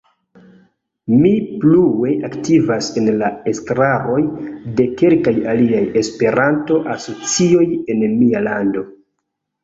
Mi plue aktivas en la estraroj de kelkaj aliaj Esperanto asocioj en mia lando.